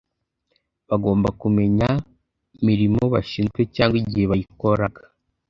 Bagomba kumenya mirimo bashinzwe cyangwa igihe bayikoraga